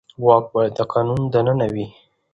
واک باید د قانون دننه وي